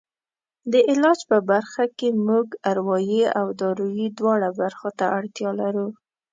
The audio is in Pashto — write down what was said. د علاج په برخه کې موږ اروایي او دارویي دواړو برخو ته اړتیا لرو.